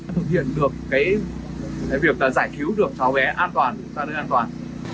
thực hiện được cái việc giải cứu được cháu bé an toàn ra đời an toàn